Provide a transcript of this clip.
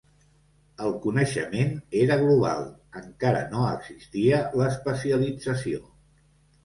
El coneixement era global, encara no existia l'especialització.